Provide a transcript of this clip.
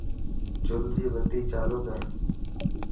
چل جي بتي چالو ڪر